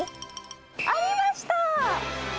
ありました。